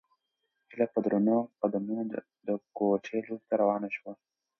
هیله په درنو قدمونو د کوټې لوري ته روانه شوه.